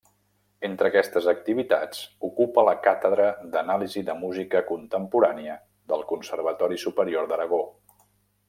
Entre aquestes activitats, ocupa la càtedra d'Anàlisi de Música Contemporània del Conservatori Superior d'Aragó.